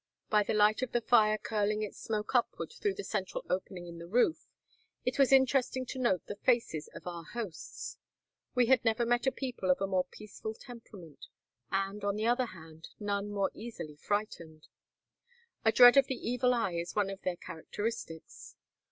By the light of the fire curling its smoke upward 122 Across Asia on a Bicycle through the central opening in the roof, it was interesting to note the faces of our hosts. We had never met a people of a more peaceful temperament, and, on the other hand, none more easily frightened. A dread of the evil eye is one of their characteristics.